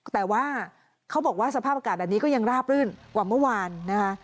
แต่ว่าเขาบอกว่าสภาพอากาศแบบนี้ก็ยังราบรื่นกว่าเมื่อวานนะคะ